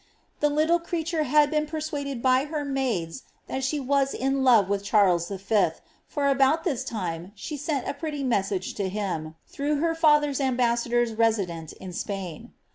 The little creature had been persuaded by her maids that she was in love with Charles V., for about this time she sent a pretty message to him, through her father's UDbassadors resident in Spain.